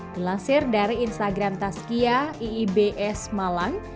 dilansir dari instagram tazkia ibs malang